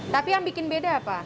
tapi yang bikin beda apa